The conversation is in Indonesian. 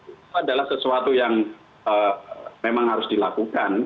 itu adalah sesuatu yang memang harus dilakukan